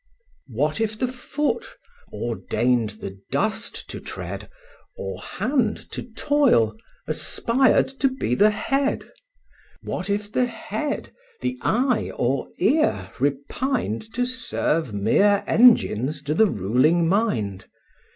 What if the foot, ordained the dust to tread, Or hand, to toil, aspired to be the head? What if the head, the eye, or ear repined To serve mere engines to the ruling mind?